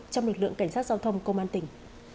trong lực lượng cảnh sát giao thông công an tỉnh